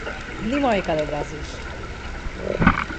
Внимавај каде газиш!